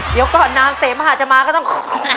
เดี๋ยวก่อนนางเสมหาจะมาก็ต้อง